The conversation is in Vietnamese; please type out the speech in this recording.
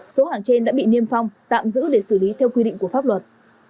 số hàng trên đã bị niêm phong tạm giữ để xử lý theo quy định của pháp luật